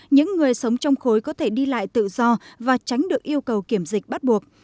những người sống trong khối có thể đi lại tự do và tránh được yêu cầu kiểm dịch bắt buộc